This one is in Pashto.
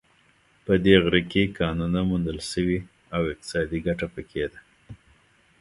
په دې غره کې کانونو موندل شوې او اقتصادي ګټه په کې ده